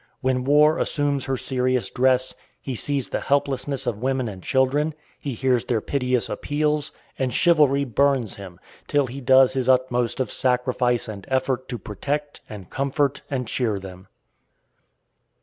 When war assumes her serious dress, he sees the helplessness of women and children, he hears their piteous appeals, and chivalry burns him, till he does his utmost of sacrifice and effort to protect, and comfort, and cheer them.